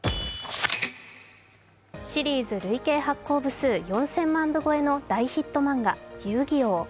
シリーズ累計発酵部数４０００万部超えの大ヒット漫画「遊戯王」。